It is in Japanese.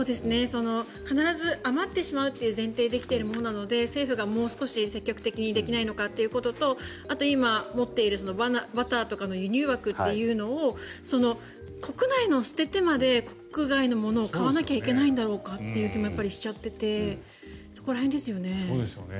必ず余ってしまうという前提で来ているものなので政府がもう少し積極的にできないのかということとあと今、持っているバターとかの輸入枠というのを国内のを捨ててまで国外のものを買わなきゃいけないのかという気もしちゃっててそうですよね。